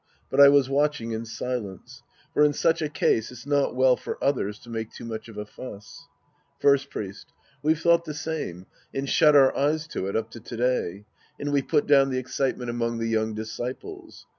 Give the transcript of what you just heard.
But I was watching in silence. For in such a case it's not well for others to make too much of a fuss. First Priest. We've thought the same and shut our eyes to it up to to day. And we've put down the excitement among the young disciples.